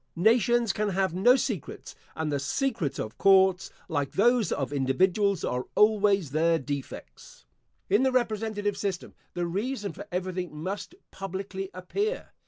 Nations can have no secrets; and the secrets of courts, like those of individuals, are always their defects. In the representative system, the reason for everything must publicly appear.